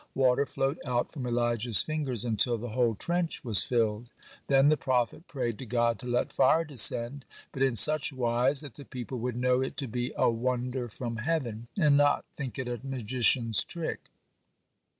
Water flowed out from Elijah's fingers until the whole trench was filled. (18) Then the prophet prayed to God to let fire descend, but in such wise that the people would know it to be a wonder from heaven, and not think it a magician's trick.